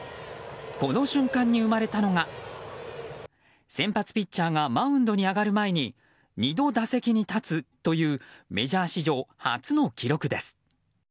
この瞬間に生まれたのが先発ピッチャーがマウンドに上がる前に２度、打席に立つというメジャー史上初の記録です。